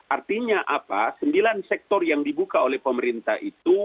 artinya apa sembilan sektor yang dibuka oleh pemerintah itu